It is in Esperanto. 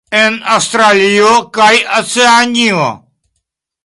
En Aŭstralio kaj Oceanio.